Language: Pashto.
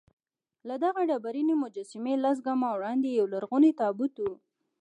له دغه ډبرینې مجسمې لس ګامه وړاندې یولرغونی تابوت و.